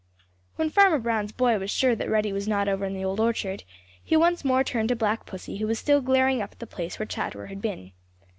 When Farmer Brown's boy was sure that Reddy was not over in the Old Orchard, he once more turned to Black Pussy, who was still glaring up at the place where Chatterer had been.